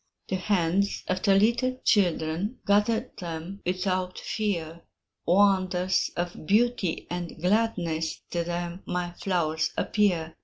The hands of the little children Gather them without fear; Wonders of beauty and gladness To them my flowers appear.